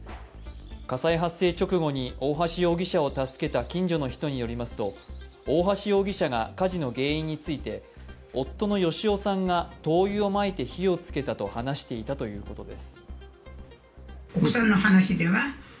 火災発生直後に大橋容疑者を助けた近所の人によりますと大橋容疑者が火事の原因について夫の芳男さんが灯油をまいて火をつけたと話していたということです。